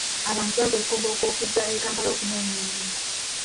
Abantu bava e Koboko okujja e Kampala okunoonya emirimu.